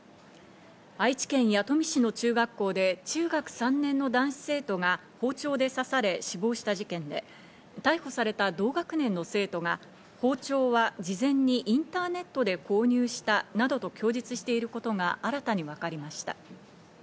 愛知県弥富市の中学校で中学３年の男子生徒が包丁で刺され死亡した事件で、逮捕された同学年の生徒が包丁は事前にインターネットで購入したなどと供述していることが新たに分かりました。